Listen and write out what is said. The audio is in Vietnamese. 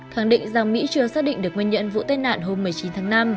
thẳng định rằng mỹ chưa xác định được nguyên nhận vụ tai nạn hôm một mươi chín tháng năm